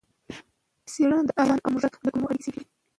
څېړنه د انسان او موږک د کولمو اړیکې څېړي.